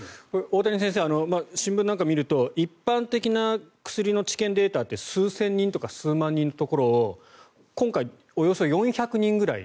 大谷先生新聞なんかを見ると一般的な薬の治験データって数千人とか数万人のところを今回およそ４００人ぐらい。